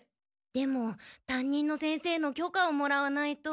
でも担任の先生の許可をもらわないと。